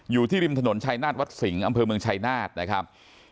อยู่ที่ริมถนนชายนาฏวัดสิงห์อำเภอเมืองชายนาฏนะครับ